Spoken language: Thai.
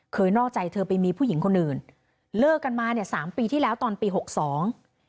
นอกใจเธอไปมีผู้หญิงคนอื่นเลิกกันมาเนี่ยสามปีที่แล้วตอนปีหกสอง